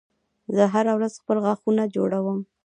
زه هره ورځ خپل غاښونه جوړوم